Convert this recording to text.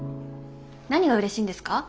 何がうれしいんですか？